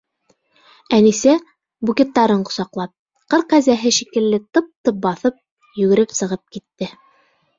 Әнисә, букеттарын ҡосаҡлап, ҡыр кәзәһе шикелле тып-тып баҫып, йүгереп сығып китте.